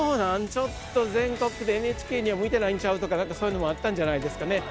ちょっと全国でＮＨＫには向いてないんちゃう？とかそういうのもあったんじゃないですかね。